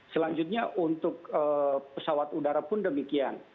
selanjutnya untuk pesawat udara pun demikian